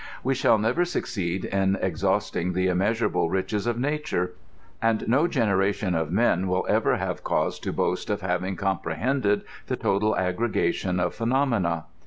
We shall never succeed in exhausting the immeasurable riches of nature ; and no gen eration of men will ever have cause to boast of having com prehended the total aggregation of phenomena.